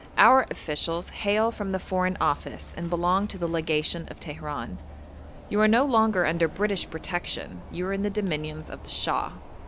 Our officials hail from the Foreign Office and belong to the legation of Teheran. You are no longer under British protection, you are in the dominions of the Shah.